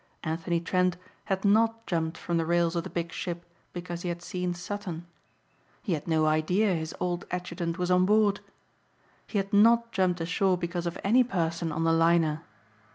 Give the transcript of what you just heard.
Anthony Trent had not jumped from the rails of the big ship because he had seen Sutton. He had no idea his old adjutant was on board. He had not jumped ashore because of any person on the liner.